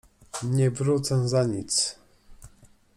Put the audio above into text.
Nie wrócę za nic!